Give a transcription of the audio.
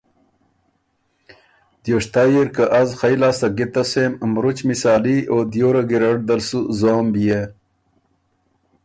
دیوشتئ اِر که از خئ لاسته ګِتس سېم مرُچ مِسالي او دیوره ګیرډ دل سُو زوم بيې۔